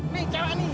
nih cara ini